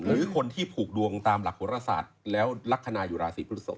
หรือคนที่ผูกดวงตามหลักโหรศาสตร์แล้วลักษณะอยู่ราศีพฤศพ